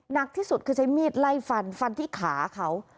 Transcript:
หนักที่สุดคือใช้มีดไล่ฟันฟันที่ขาเขา